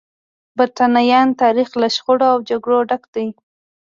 د برېټانیا تاریخ له شخړو او جګړو ډک دی.